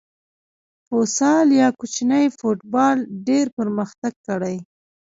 فوسال یا کوچنی فوټبال ډېر پرمختګ کړی.